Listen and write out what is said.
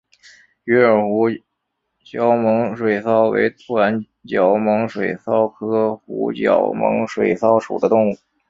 鱼饵湖角猛水蚤为短角猛水蚤科湖角猛水蚤属的动物。